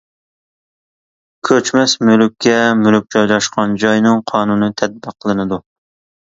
كۆچمەس مۈلۈككە مۈلۈك جايلاشقان جاينىڭ قانۇنى تەتبىقلىنىدۇ.